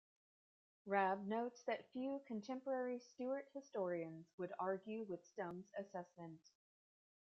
Rabb notes that few contemporary Stuart historians would argue with Stone's assessment.